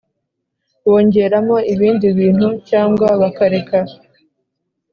Bongeramo ibindi bintu cyangwa bakareka